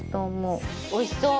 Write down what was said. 「おいしそう！」